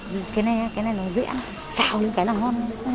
cái này cái này nó dễ ăn xào những cái là ngon